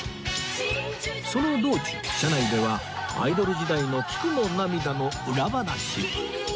その道中車内ではアイドル時代の聞くも涙の裏話